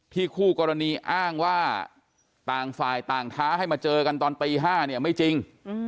คู่กรณีอ้างว่าต่างฝ่ายต่างท้าให้มาเจอกันตอนตี๕เนี่ยไม่จริง